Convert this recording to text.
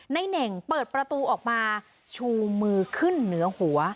เน่งเปิดประตูออกมาชูมือขึ้นเหนือหัว